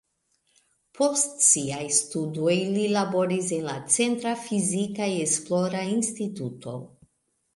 Post siaj studoj li laboris en la centra fizika esplora instituto.